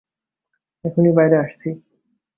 এখনই বাইরে আসছি।